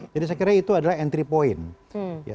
jadi saya kira itu adalah entry point